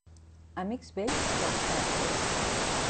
Amics vells, sols per a parlar.